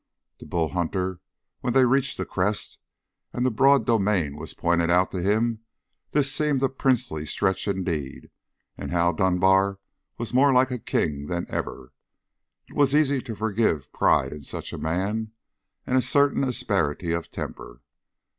To Bull Hunter, when they reached the crest, and the broad domain was pointed out to him, this seemed a princely stretch indeed, and Hal Dunbar was more like a king than ever. It was easy to forgive pride in such a man and a certain asperity of temper.